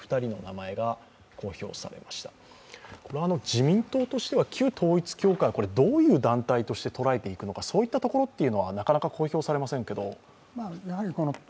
自民党として旧統一教会、どういう団体として捉えていくのか、そういったところというのはなかなか公表されませんけど。